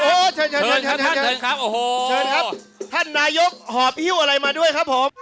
โอ้โหเชิญครับท่านนายกหอบอิ้วอะไรมาด้วยครับผม